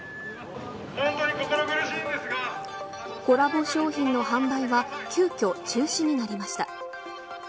コラボ商品の販売は急きょ中止になりました。